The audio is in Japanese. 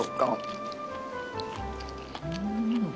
うん！